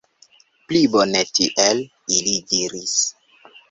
Pli bone tiel, ili diris.